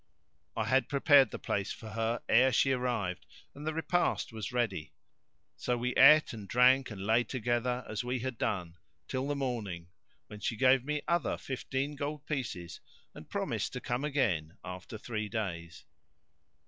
I had prepared the place for her ere she arrived and the repast was ready; so we ate and drank and lay together, as we had done, till the morning, when she gave me other fifteen gold pieces and promised to come again after three days.